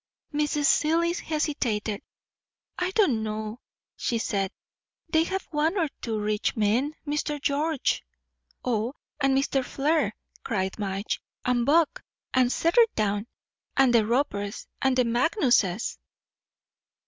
Mrs. Seelye hesitated. "I don't know," she said, "they have one or two rich men. Mr. Georges " "O, and Mr. Flare," cried Madge, "and Buck, and Setterdown; and the Ropers and the Magnuses."